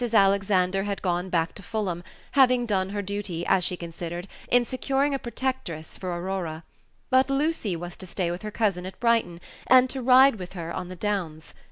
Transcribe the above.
Alexander had gone back to Fulham, having done her duty, as she considered, in securing a protectress for Aurora; but Lucy was to stay with her cousin at Brighton, and to ride with her on the downs.